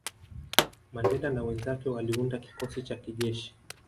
Mandela na wenzake waliunda kikosi cha kijeshi